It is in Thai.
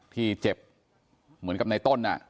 ที่เจ็บเหมือนกับในต้น